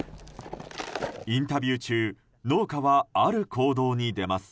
インタビュー中農家はある行動に出ます。